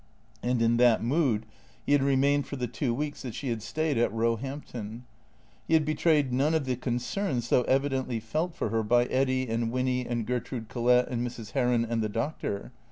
And in that mood he had remained for the two weeks that she had stayed at Roehampton. He had betrayed none of the concern so evidently felt for her by Eddy and Winny and Ger trude Collett and Mrs. Heron and the doctor.